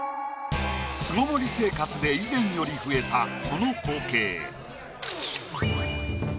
巣ごもり生活で以前より増えたこの光景。